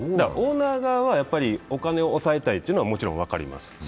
オーナー側はお金を抑えたいというのはもちろん分かります。